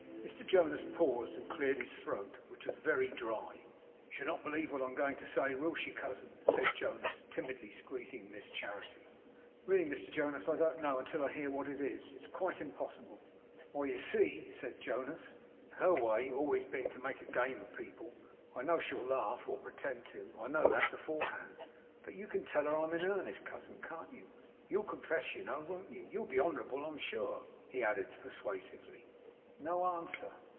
Mr Jonas paused and cleared his throat, which was very dry. 'She'll not believe what I am going to say, will she, cousin?' said Jonas, timidly squeezing Miss Charity. 'Really, Mr Jonas, I don't know, until I hear what it is. It's quite impossible!' 'Why, you see,' said Jonas, 'her way always being to make game of people, I know she'll laugh, or pretend to I know that, beforehand. But you can tell her I'm in earnest, cousin; can't you? You'll confess you know, won't you? You'll be honourable, I'm sure,' he added persuasively. No answer.